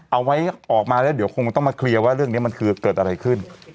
เอาไว้ออกมาแล้วเดี๋ยวคงต้องมาเคลียร์ว่าเรื่องนี้มันคือเกิดอะไรขึ้น